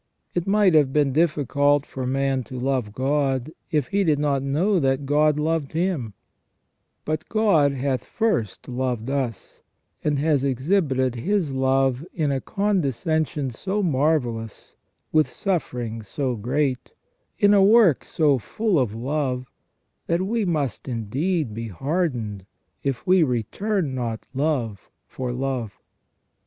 It might have been diflScult for man to love God, if he did not know that God loved him ; but God hath first loved us, and has exhibited His love in a condescension so marvellous, with sufferings so great, in a work so full of love, that we must indeed be hardened if we return not love for love.